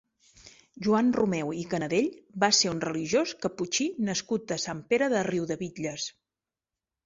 Joan Romeu i Canadell va ser un religiós caputxí nascut a Sant Pere de Riudebitlles.